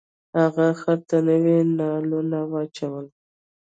هغه خر ته نوي نالونه واچول.